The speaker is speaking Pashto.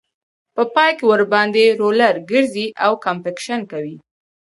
په پای کې ورباندې رولر ګرځي او کمپکشن کوي